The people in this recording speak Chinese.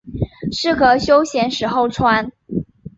适合休闲时候穿。